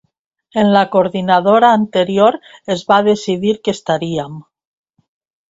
En la coordinadora anterior es va decidir que estaríem.